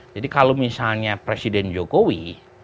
kalau misalnya presiden jokowi